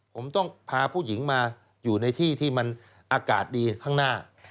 ผมต้องพาผู้หญิงมาอยู่ในที่ที่มันอากาศดีข้างหน้า